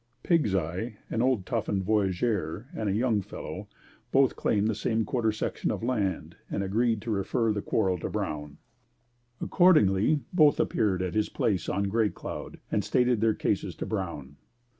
Pigs Eye, an old toughened voyageur and a young fellow, both claimed the same quarter section of land and agreed to refer their quarrel to Brown. Accordingly both appeared at his place on Gray Cloud and stated their cases to Brown.